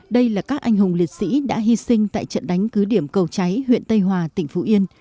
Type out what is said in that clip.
đây là các anh hùng liệt sĩ đã hy sinh tại trận đánh cứ điểm cầu cháy huyện tây hòa tỉnh phú yên